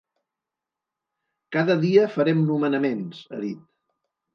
“Cada dia farem nomenaments”, ha dit.